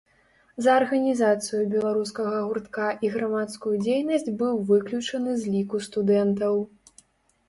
За арганізацыю беларускага гуртка і грамадскую дзейнасць быў выключаны з ліку студэнтаў.